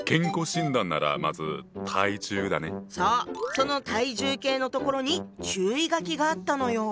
その体重計のところに注意書きがあったのよ。